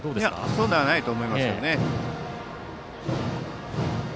そうではないと思いますね。